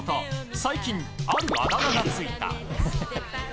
最近、あるあだ名がついた。